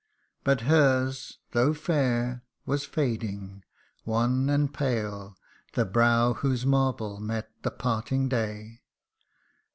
But her's, though fair, was fading wan and pale The brow whose marble met the parting day.